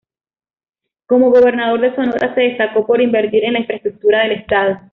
Como Gobernador de Sonora se destacó por invertir en la Infraestructura del Estado.